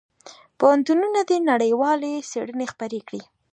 پوهنتونونه دي نړیوالې څېړنې خپرې کړي.